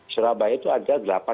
surabaya itu ada